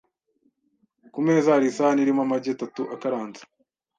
Ku meza, hari isahani irimo amagi atatu akaranze.